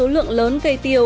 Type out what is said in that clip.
lượng lớn cây tiêu